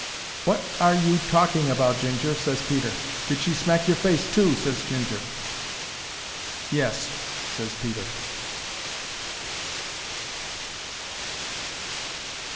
"Wot—are—you—talking about, Ginger?" ses Peter. "Did she smack your face too?" ses Ginger. "Yes," ses Peter.